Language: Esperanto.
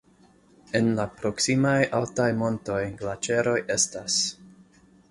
En la proksimaj altaj montoj glaĉeroj estas.